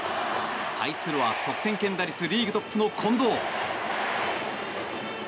対するは得点圏打率リーグトップの近藤。